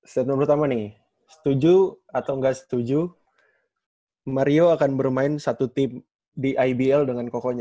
statement pertama nih setuju atau enggak setuju mario akan bermain satu tim di ibl dengan kokonya